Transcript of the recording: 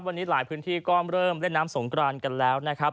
วันนี้หลายพื้นที่ก็เริ่มเล่นน้ำสงกรานกันแล้วนะครับ